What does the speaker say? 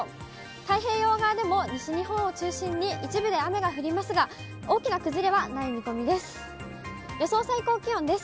太平洋側でも西日本を中心に一部で雨が降りますが、大きな崩れはない見込みです。